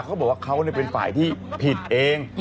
เขาบอกว่าเขาเป็นฝ่ายที่ผิดเอง